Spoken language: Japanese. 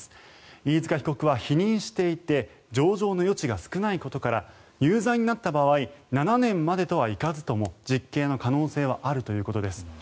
飯塚被告は否認していて情状の余地が少ないことから有罪になった場合７年までとはいかずとも、実刑の可能性はあるということです。